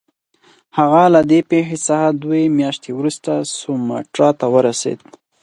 هغه له دې پیښې څخه دوې میاشتې وروسته سوماټرا ته ورسېد.